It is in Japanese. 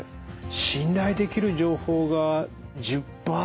信頼できる情報が１０％